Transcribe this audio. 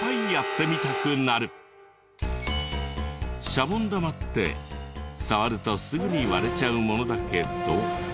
シャボン玉って触るとすぐに割れちゃうものだけど。